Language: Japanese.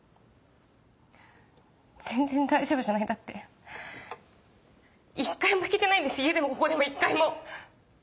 全然大丈夫じゃないだって１回も弾けてないんです家でもここでも１回も！